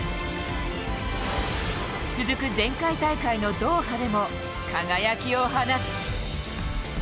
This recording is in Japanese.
続く前回大会のドーハでも輝きを放つ。